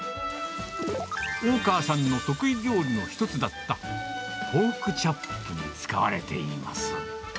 大川さんの得意料理の一つだったポークチャップに使われています。